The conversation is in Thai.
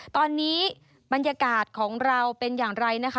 ตอนนี้บรรยากาศของเราเป็นอย่างไรนะคะ